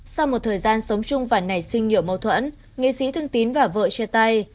sau một thời gian sống chung và nảy sinh nhiều mâu thuẫn nghệ sĩ thương tín và vợ chia tay